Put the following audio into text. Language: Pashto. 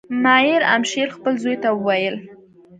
مایر امشیل خپل زوی ته وویل.